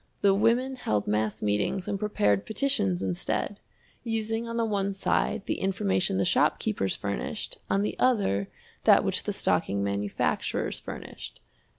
The women held mass meetings and prepared petitions instead, using on the one side the information the shopkeepers furnished, on the other that which the stocking manufacturers furnished.